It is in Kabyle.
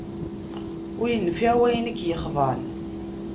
Ur yenfiε wayen i k-yexḍan